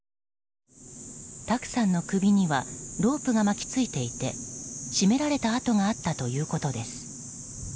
卓さんの首にはロープが巻き付いていて絞められた痕があったということです。